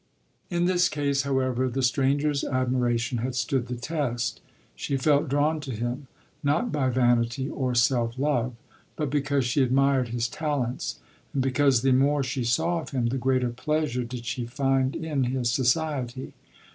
In this case, however, the stranger's admiration had stood the test. She felt drawn to him, not by vanity or self love; but because she admired his talents, and because the more she saw of him the greater pleasure did she find in his society.